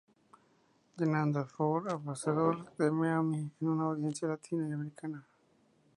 Llenando el Four Ambassador de Miami en audiencia latina y americana.